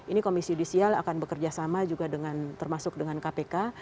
ini komisi judisial akan bekerja sama juga dengan termasuk dengan kpk